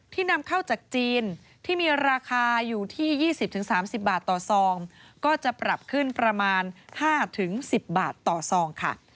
ที่๒๐๓๐บาทต่อซองก็จะปรับขึ้นประมาณ๕๑๐บาทต่อซองค่ะ